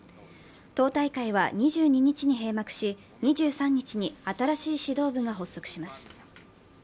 党大会は２２日に閉幕し２３日に新しい指導部が発足します。